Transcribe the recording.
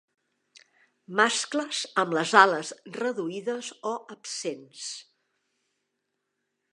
Mascles amb les ales reduïdes o absents.